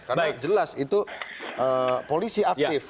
karena jelas itu polisi aktif